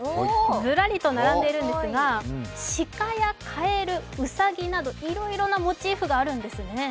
ずらりと並んでいるんですが、鹿やかえる、うさぎなどいろいろなモチーフがあるんですね。